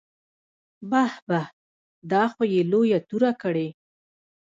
بح بح دا خو يې لويه توره کړې.